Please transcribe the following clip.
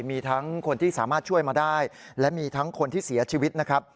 มีทั้งคนที่สามารถช่วยมาได้และมีทั้งคนที่เสียชีวิตนะครับ